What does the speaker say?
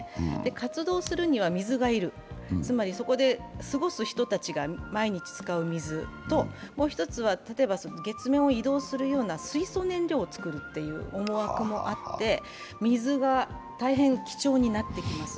活動するには水が要る、つまりそこで過ごす人たちが毎日使う水と、もう一つは例えば月面を移動するような水素燃料を作るという思惑もあって、水が大変貴重になってきます。